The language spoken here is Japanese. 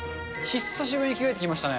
久しぶりに着替えてきましたね。